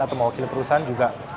atau mewakili perusahaan juga